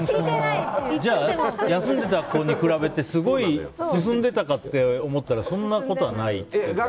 じゃあ休んだ子に比べてすごい進んでいたかって思ったらそんなことはないというか。